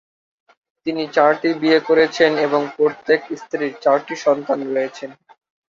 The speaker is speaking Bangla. তিনি চারটি বিয়ে করেছেন এবং প্রত্যেক স্ত্রীর চারটি সন্তান আছে।